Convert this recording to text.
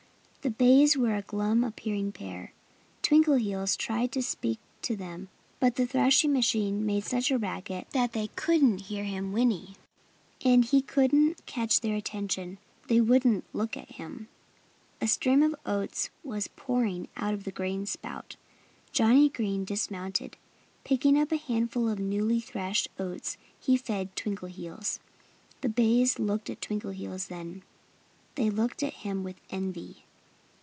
The bays were a glum appearing pair. Twinkleheels tried to speak to them, but the thrashing machine made such a racket that they couldn't hear him whinny; and he couldn't catch their eyes. They wouldn't look at him. A stream of oats was pouring out of the grain spout. Johnnie Green dismounted. Picking up a handful of the newly thrashed oats, he fed Twinkleheels. The bays looked at Twinkleheels then. They looked at him with envy.